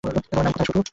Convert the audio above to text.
তোমার নাম কোথায়, শুটু?